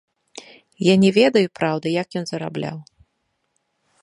Я не ведаю, праўда, як ён зарабляў.